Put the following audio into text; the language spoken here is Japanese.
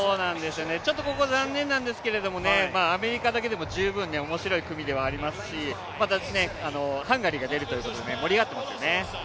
ちょっとここ残念なんですけど、アメリカだけでも十分面白い組ではありますしまたハンガリーが出るということで盛り上がっていますよね。